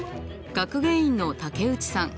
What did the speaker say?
学芸員の武内さん